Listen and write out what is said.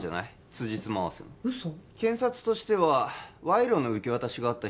つじつま合わせの検察としては賄賂の受け渡しがあった